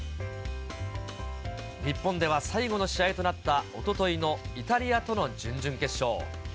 日本では最後の試合となったおとといのイタリアとの準々決勝。